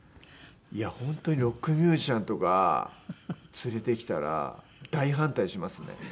本当にロックミュージシャンとか連れてきたら大反対しますね。